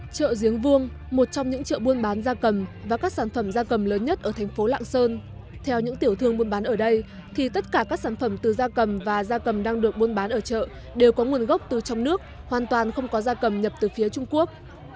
trợ diếng vuông một trong những chợ buôn bán gia cầm và các sản phẩm gia cầm lớn nhất ở thành phố lạng sơn theo những tiểu thương buôn bán ở đây thì tất cả các sản phẩm từ gia cầm và gia cầm đang được buôn bán ở chợ đều có nguồn gốc từ trong nước hoàn toàn không có gia cầm nhập từ phía trung quốc